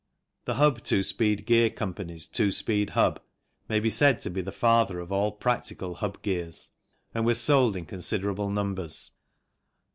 The Hub Two Speed Gear Co.'s two speed hub may be said to be the father of all practical hub gears and was sold in considerable numbers.